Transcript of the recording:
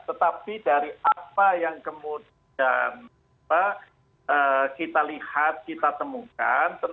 tetapi dari apa yang kemudian kita lihat kita temukan